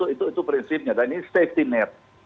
itu prinsipnya safety net